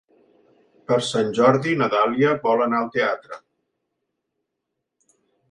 Per Sant Jordi na Dàlia vol anar al teatre.